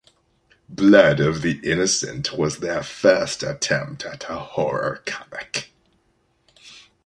"Blood of the Innocent" was their first attempt at a horror comic.